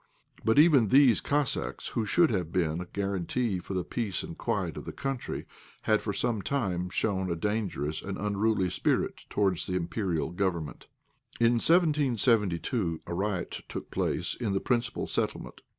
But even these Cossacks, who should have been a guarantee for the peace and quiet of the country, had for some time shown a dangerous and unruly spirit towards the Imperial Government. In 1772 a riot took place in the principal settlement.